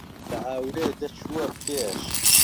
له ئاورێ دهچووه پێش